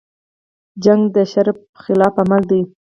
جګړه د شرف خلاف عمل دی